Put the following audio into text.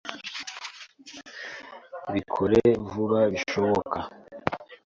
Bikore vuba bishoboka.